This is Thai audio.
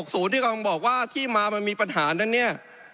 ที่กำลังบอกว่าที่มามันมีปัญหานั้นเนี่ย